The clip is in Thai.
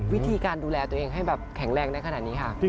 วิธีการดูแลตัวเองให้แบบแข็งแรงได้ขนาดนี้ค่ะ